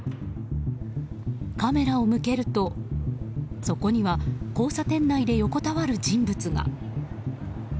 カメラを向けると、そこには交差点内で横たわる人物が。